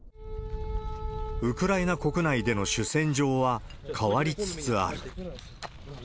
ウクライナ国内での主戦場は変わりつつある。